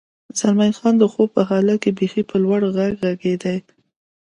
زلمی خان: د خوب په حالت کې بېخي په لوړ غږ غږېدې.